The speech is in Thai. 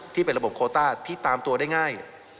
ที่เป็นระบบโคต้าที่ตามตัวได้ง่าย